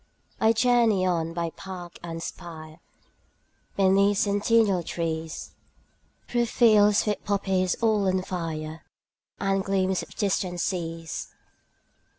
20 I journey on by park and spire, Beneath centennial trees, Through fields with poppies all on fire, And gleams of distant seas.